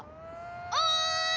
おい！